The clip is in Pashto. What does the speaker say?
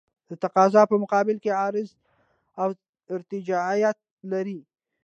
د تقاضا په مقابل کې عرضه ارتجاعیت لري.